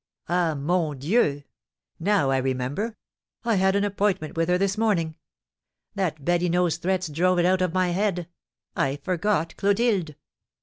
Ah, mon Dieu! now I remember. I had an appointment with her this morning. That Badinot's threats drove it out of my head. I forgot Clotilde.